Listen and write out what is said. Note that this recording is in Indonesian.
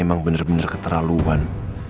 emang bener bener keterlaluan